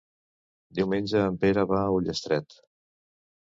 Diumenge en Pere va a Ullastret.